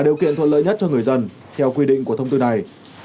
điều kiện thuận lợi nhất cho người dân theo quy định của thông tư này